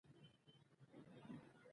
ګیلاس د چايو خوشبويي پکې پاتې کېږي.